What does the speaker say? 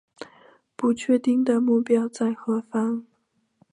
不确定的目标在何方